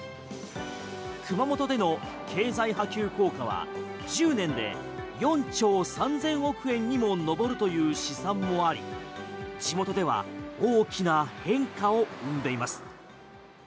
熊本での経済波及効果は１０年で４兆３０００億円にも上るという試算もあり地元では大きな変化を生んでいます。